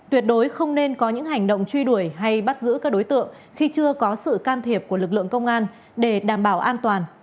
tuyệt đối không nên có những hành động truy đuổi hay bắt giữ các đối tượng khi chưa có sự can thiệp của lực lượng công an để đảm bảo an toàn